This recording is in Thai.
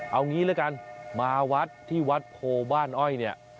เอางี้ละกันมาวัดที่วัดโพบ้านอ้อยเนี่ย